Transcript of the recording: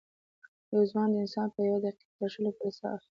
یو ځوان انسان په یوه دقیقه کې تر شلو پورې سا اخلي.